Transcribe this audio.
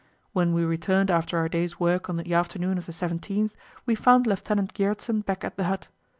When we returned after our day's work on the afternoon of the 17th, we found Lieutenant Gjertsen back at the hut.